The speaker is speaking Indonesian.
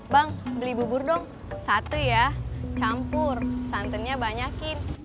bang beli bubur dong satu ya campur santannya banyakin